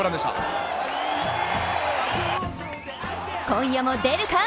今夜も出るか！